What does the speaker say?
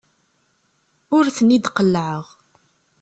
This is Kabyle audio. Ur ten-id-qellɛeɣ.